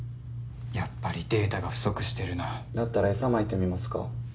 やっぱりデータが不足してるなあだったら餌まいてみますか？